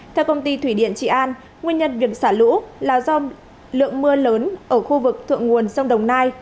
theo công ty thủy điện trị an nguyên nhân việc xả lũ là do lượng mưa lớn ở khu vực thượng nguồn sông đồng nai